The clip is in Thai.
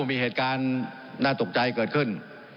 มีเหตุการณ์น่าตกใจเกิดขึ้น